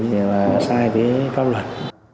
thì là sai với các luật